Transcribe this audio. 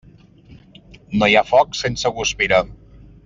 No hi ha foc sense guspira.